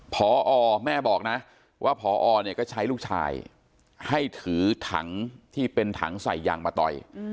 พอแม่บอกนะว่าพอเนี่ยก็ใช้ลูกชายให้ถือถังที่เป็นถังใส่ยางมาต่อย